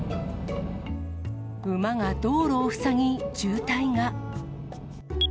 馬が道路を塞ぎ、渋滞が。